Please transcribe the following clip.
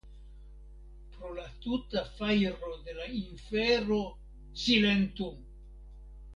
Pro la tuta fajro de la infero, silentu!